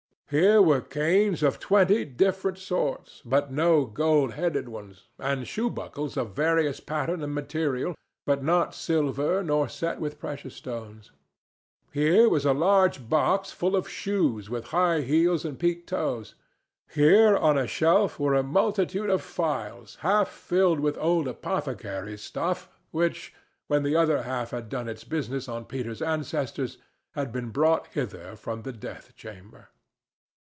Here were canes of twenty different sorts, but no gold headed ones, and shoebuckles of various pattern and material, but not silver nor set with precious stones. Here was a large box full of shoes with high heels and peaked toes. Here, on a shelf, were a multitude of phials half filled with old apothecary's stuff which, when the other half had done its business on Peter's ancestors, had been brought hither from the death chamber.